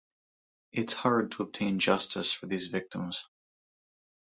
Its hard to obtain justice for these Victims.